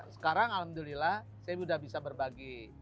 sekarang alhamdulillah saya sudah bisa berbagi